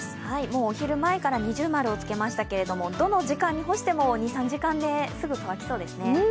お昼前から二重丸をつけましたけれどもどの時間に干しても２３時間ですぐ乾きそうですね。